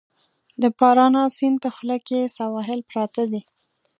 د پارانا سیند په خوله کې سواحل پراته دي.